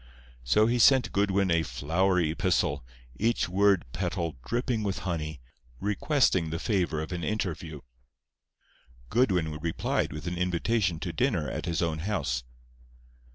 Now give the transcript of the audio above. So he sent Goodwin a flowery epistle, each word petal dripping with honey, requesting the favour of an interview. Goodwin replied with an invitation to dinner at his own house.